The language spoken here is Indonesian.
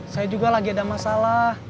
saya juga lagi ada masalah